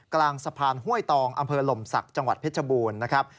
กลางสะพานห้วยตองอำเภอหล่มศักดิ์จังหวัดเพชรบูรณ์นะครับ